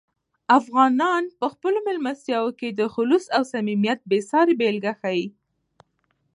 افغانان په خپلو مېلمستیاوو کې د "خلوص" او "صمیمیت" بې سارې بېلګې ښیي.